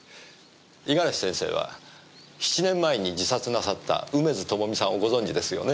五十嵐先生は７年前に自殺なさった梅津朋美さんをご存じですよねぇ？